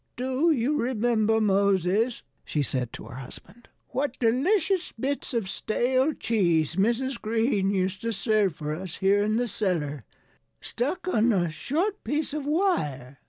"Do you remember, Moses," she said to her husband, "what delicious bits of stale cheese Mrs. Green used to serve for us here in the cellar, stuck on a short piece of wire?